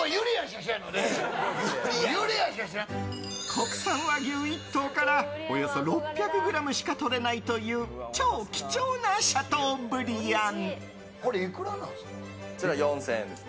国産和牛１頭からおよそ６００ｇしかとれないという超貴重なシャトーブリアン。